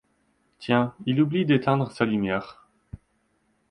Tiens, il oublie d’éteindre sa lumière.